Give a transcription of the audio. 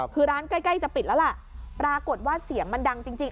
คือร้านใกล้ใกล้จะปิดแล้วล่ะปรากฏว่าเสียงมันดังจริง